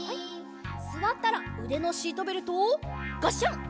すわったらうでのシートベルトをガッシャン！